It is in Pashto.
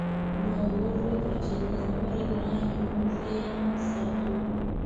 نو موږ به پر چیني څومره ګران یو موږ یې هم ساتو.